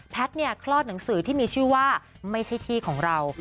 คลอดหนังสือที่มีชื่อว่าไม่ใช่ที่ของเรา